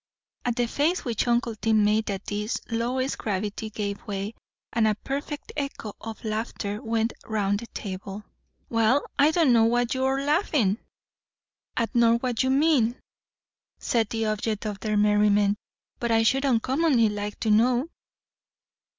At the face which uncle Tim made at this, Lois's gravity gave way; and a perfect echo of laughter went round the table. "Well, I don' know what you're all laughin' at nor what you mean," said the object of their merriment; "but I should uncommonly like to know."